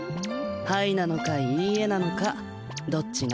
「はい」なのか「いいえ」なのかどっちなのかの？